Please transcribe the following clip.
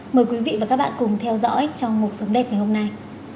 mời quý vị và các bạn cùng theo dõi cho một sống đẹp ngày hôm nay